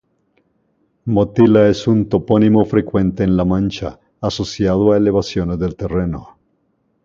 Motilla es un topónimo frecuente en La Mancha, asociado a elevaciones del terreno.